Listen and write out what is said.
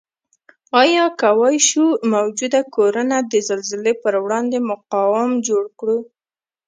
آیا کوای شو موجوده کورنه د زلزلې پروړاندې مقاوم جوړ کړو؟